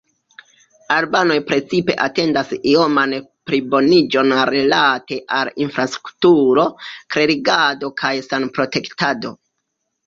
Albanoj precipe atendas ioman pliboniĝon rilate al infrastrukturo, klerigado kaj sanprotektado.